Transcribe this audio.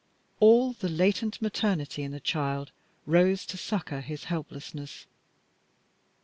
All the latent maternity in the child rose to succor his helplessness.